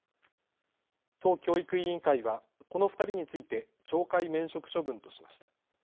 都教育委員会はこの２人について懲戒免職処分としました。